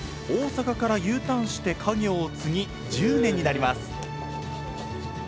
大阪からＵターンして家業を継ぎ１０年になります